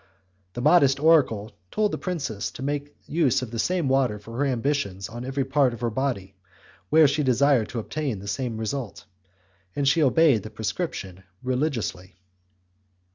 The modest oracle told the princess to make use of the same water for her ablutions of every part of her body where she desired to obtain the same result, and she obeyed the prescription religiously.